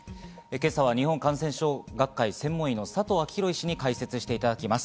今朝は日本感染症学会・専門医の佐藤昭裕医師に解説していただきます。